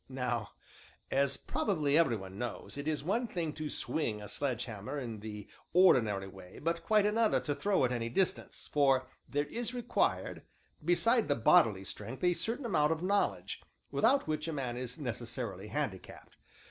Now, as probably every one knows, it is one thing to swing a sledge hammer in the ordinary way but quite another to throw it any distance, for there is required, beside the bodily strength, a certain amount of knowledge, without which a man is necessarily handicapped.